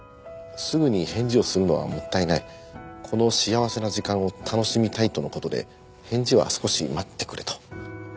すぐに返事をするのはもったいないこの幸せな時間を楽しみたいとの事で返事は少し待ってくれと。